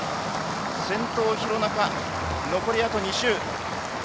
先頭の廣中、残りあと２周です。